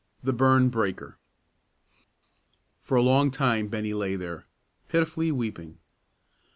THE BURNED BREAKER. For a long time Bennie lay there, pitifully weeping.